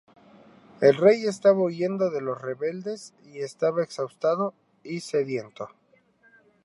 El rey estaba huyendo de los rebeldes y estaba exhausto y sediento.